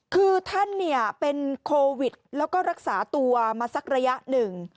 คือท่านเป็นโควิดแล้วก็รักษาตัวมาสักระยะหนึ่ง